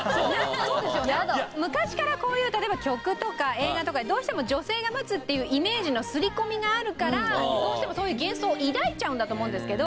昔からこういう例えば曲とか映画とかでどうしても女性が待つっていうイメージのすり込みがあるからどうしてもそういう幻想を抱いちゃうんだと思うんですけど。